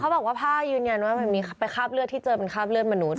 เขาบอกว่าภายืนยันว่าแบบนี้ไปคาบเลือดที่เจอเป็นคาบเลือดมนุษย์